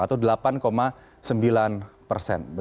atau delapan sembilan persen